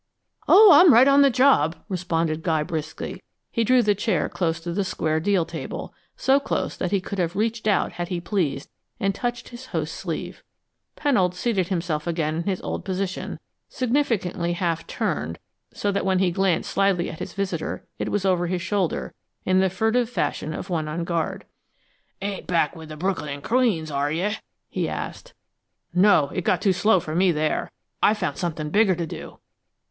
"Oh, I'm right on the job!" responded Guy briskly. He drew the chair close to the square deal table, so close that he could have reached out, had he pleased, and touched his host's sleeve. Pennold seated himself again in his old position, significantly half turned, so that when he glanced slyly at his visitor it was over his shoulder, in the furtive fashion of one on guard. "Ain't back with the Brooklyn and Queens, are you?" he asked. "No. It got too slow for me there. I found something bigger to do."